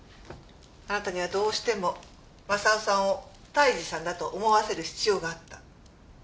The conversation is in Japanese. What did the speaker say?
あなたにはどうしても正雄さんを泰治さんだと思わせる必要があった。